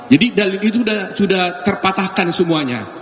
jadi dari itu sudah terpatahkan semuanya